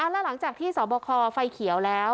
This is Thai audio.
แล้วหลังจากที่สอบคอไฟเขียวแล้ว